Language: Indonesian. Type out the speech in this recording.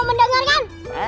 main dong jalan